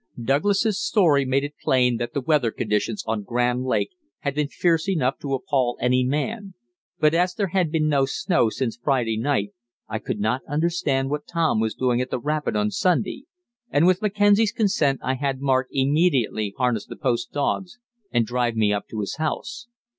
Douglas's story made it plain that the weather conditions on Grand Lake had been fierce enough to appal any man, but as there had been no snow since Friday night I could not understand what Tom was doing at the rapid on Sunday, and with Mackenzie's consent I had Mark immediately harness the post dogs and drive me up to his house.